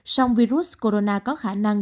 xong virus corona có khả năng